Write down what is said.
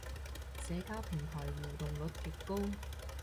社交平台互動率極高